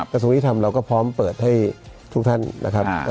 กระทรวงยุทธรรมเราก็พร้อมเปิดให้ทุกท่านนะครับ